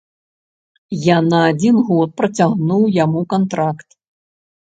Я на адзін год працягнуў яму кантракт.